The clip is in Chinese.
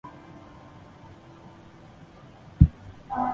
洞口之窗